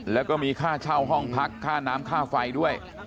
แล้วก็มีค่าเช่าห้องพักค่าน้ำค่าไฟด้วย